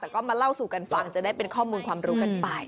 แต่ก็มาเล่าสู่กันฟังจะได้เป็นข้อมูลความรู้กันไป